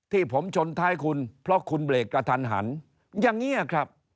ที่ผมชนท้ายคุณเพราะคุณเบรกกระทันหันอย่างนี้ครับ